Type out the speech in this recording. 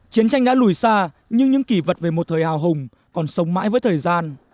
chiến tranh đã lùi xa nhưng những kỳ vật về một thời hào hùng còn sống mãi với thời gian